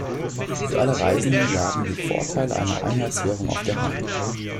Für alle Reisenden lagen die Vorteile einer Einheitswährung auf der Hand.